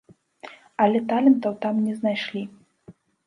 Але талентаў там не знайшлі.